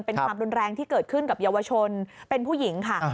เป็นความรุนแรงที่เกิดขึ้นกับเยาวชนเป็นผู้หญิงค่ะ